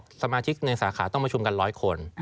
เขาบอกสมาชิกในสาขาต้องประชุมกัน๑๐๐คน